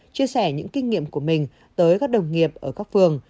chia sẻ những kinh nghiệm của mình tới các đồng nghiệp ở các phường